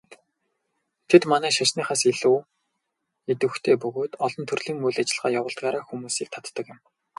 Тэд манай шашныхаас илүү идэвхтэй бөгөөд олон төрлийн үйл ажиллагаа явуулдгаараа хүмүүсийг татдаг юм.